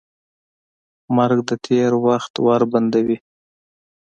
مرګ د تېر وخت ور بندوي.